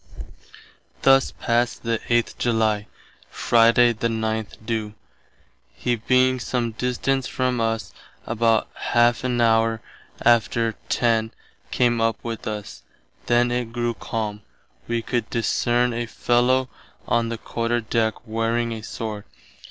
Thus past the 8th July. Friday the 9th do., he being some distance from us, About ½ an hour after 10 came up with us. Then it grew calme. Wee could discerne a fellow on the Quarter Deck wearing a sword.